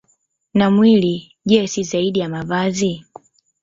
Na mwili, je, si zaidi ya mavazi?